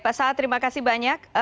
pak saad terima kasih banyak